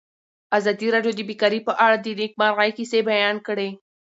ازادي راډیو د بیکاري په اړه د نېکمرغۍ کیسې بیان کړې.